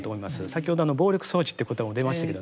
先ほど暴力装置ってことも出ましたけどね